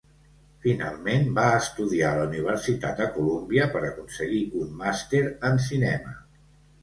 Finalment, va estudiar a la Universitat de Colúmbia per aconseguir un Màster en Cinema.